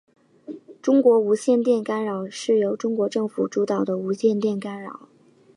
中国无线电干扰是由中国政府主导的无线电干扰。